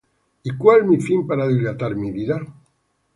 ¿Y cuál mi fin para dilatar mi vida?